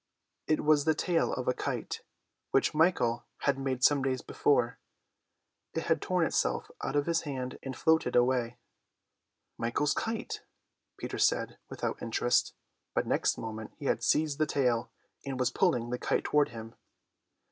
It was the tail of a kite, which Michael had made some days before. It had torn itself out of his hand and floated away. "Michael's kite," Peter said without interest, but next moment he had seized the tail, and was pulling the kite toward him.